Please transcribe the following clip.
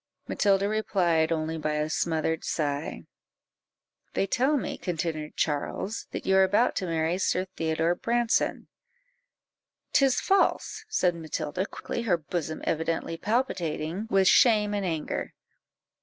Matilda replied only by a smothered sigh. "They tell me," continued Charles, "that you are about to marry Sir Theodore Branson?" "'Tis false," said Matilda, quickly, her bosom evidently palpitating with shame and anger.